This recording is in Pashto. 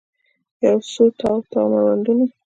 یوڅو تاو، تاو مړوندونه